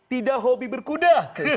tidak hobi berkuda